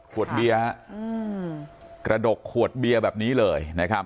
ขวดเบียกระดกขวดเบียแบบนี้เลย